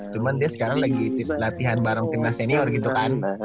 cuman dia sekarang lagi latihan bareng timnas senior gitu kan